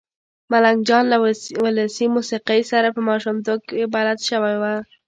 ملنګ جان له ولسي موسېقۍ سره په ماشومتوب کې بلد شوی و.